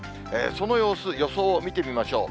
その様子、予想を見てみましょう。